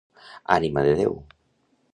Ànima de Déu.